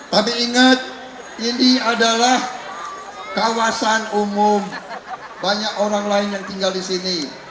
tapi ingat ini adalah kawasan umum banyak orang lain yang tinggal di sini